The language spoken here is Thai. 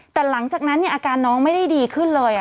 แต่หลังจากนั้นอาการน้องไม่ได้ดีขึ้นเลย